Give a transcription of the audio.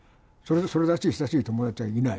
それらしい親しい友達はいない。